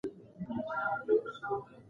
هغه ویلي و چې تکنالوژي د ژوند بنسټ دی.